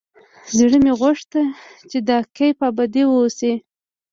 زړه مې غوښت چې دا کيف ابدي واوسي.